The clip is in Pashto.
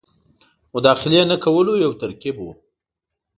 مداخلې نه کولو یو ترکیب وو.